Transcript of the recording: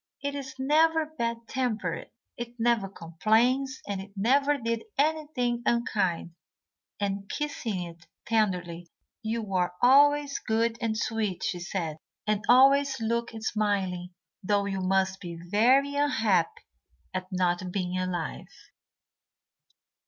"It is never bad tempered; it never complains, and it never did anything unkind," and, kissing it tenderly, "you are always good and sweet," she said, "and always look smiling, though you must be very unhappy at not being alive."